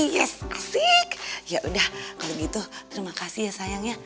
yes asik ya udah kalau gitu terima kasih ya sayangnya